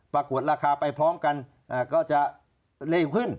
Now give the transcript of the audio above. กวดราคาไปพร้อมกันก็จะเร็วขึ้น